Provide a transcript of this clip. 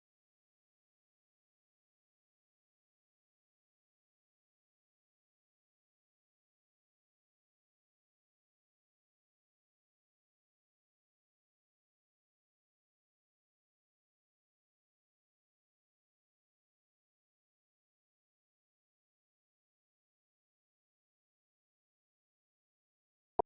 โปรดติดตามต่อไป